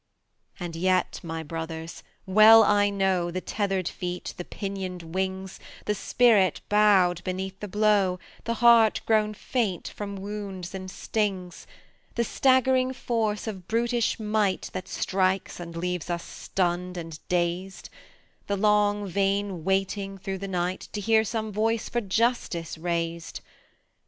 And yet, my brothers, well I know The tethered feet, the pinioned wings, The spirit bowed beneath the blow, The heart grown faint from wounds and stings; The staggering force of brutish might, That strikes and leaves us stunned and daezd; The long, vain waiting through the night To hear some voice for justice raised.